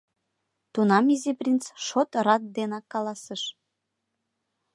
Тунам Изи принц шот-рат денак каласыш: